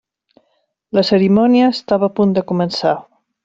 La cerimònia estava a punt de començar!